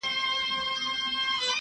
یو څه ملنګ یې یو څه شاعر یې.